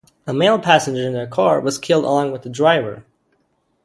A male passenger in their car was killed along with the driver.